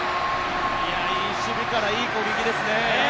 いい守備からいい攻撃ですね。